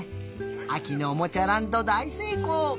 あきのおもちゃランドだいせいこう！